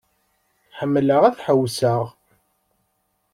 Ḥemmleɣ ad ḥewseɣ.